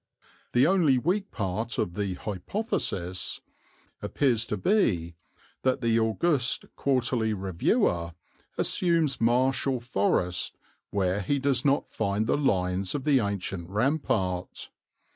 The only weak part of the hypothesis appears to be that the august Quarterly Reviewer assumes marsh or forest where he does not find the lines of the ancient rampart.